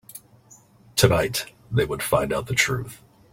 Tonight, they would find out the truth.